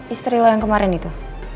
istri lo yang kemarin itu